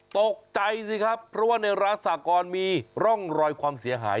ตกใจสิครับเพราะว่าในร้านสากรมีร่องรอยความเสียหาย